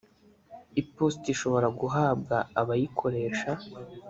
iposita ishobora guhabwa abayikoresha